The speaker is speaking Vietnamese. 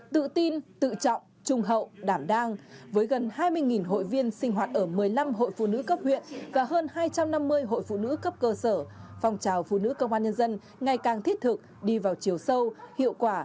tự tin tự trọng trung hậu đảm đang với gần hai mươi hội viên sinh hoạt ở một mươi năm hội phụ nữ cấp huyện và hơn hai trăm năm mươi hội phụ nữ cấp cơ sở phong trào phụ nữ công an nhân dân ngày càng thiết thực đi vào chiều sâu hiệu quả